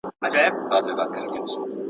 دا کار باید هره ورځ وشي.